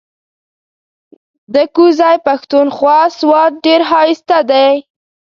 ده کوزی پښتونخوا سوات ډیر هائسته دې